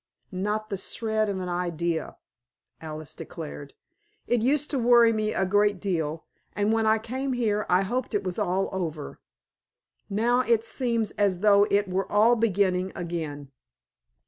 "Not the shred of an idea," Alice declared. "It used to worry me a great deal, and when I came here I hoped it was all over. Now it seems as though it were all beginning again!"